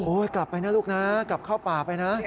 กลับไปนะลูกนะกลับเข้าป่าไปนะ